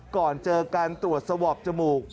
ก่อนเจอการตรวจสวอปจมูก